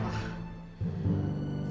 apa kabarnya tadi o fellah